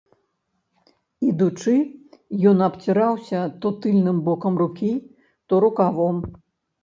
Ідучы, ён абціраўся то тыльным бокам рукі, то рукавом.